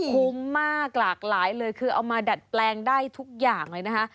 คุ้มมากหลากหลายเลยคือเอามาดัดแปลงได้ทุกอย่างเลยนะคะ